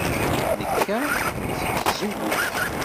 Nekka seg tzewwut.